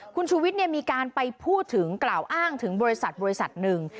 คุณชูวิทย์มีการไปพูดถึงกล่าวอ้างถึงบริษัทบริษัทหนึ่ง